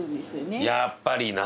やっぱりな。